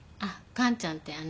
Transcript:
完ちゃんってあの。